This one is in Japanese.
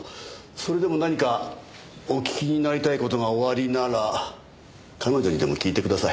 それでも何かお聞きになりたい事がおありなら彼女にでも聞いてください。